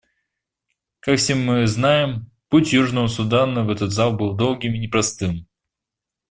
Как все мы знаем, путь Южного Судана в этот зал был долгим и непростым.